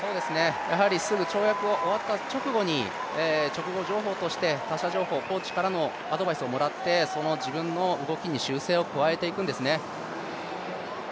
やはりすぐ跳躍を終わった直後に他者情報、コーチからのアドバイスをもらって自分の動きに修正を加えていくんですね。